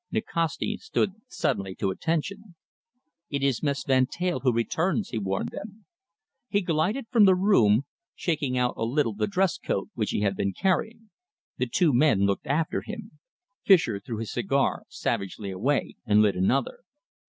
Nikasti stood suddenly to attention. "It is Mr. Van Teyl who returns," he warned them. He glided from the room, shaking out a little the dress coat which he had been carrying. The two men looked after him. Fischer threw his cigar savagely away and lit another.